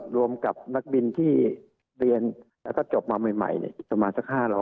รวมกับนักบินที่เรียนแล้วก็จบมาใหม่อีกประมาณสัก๕๐๐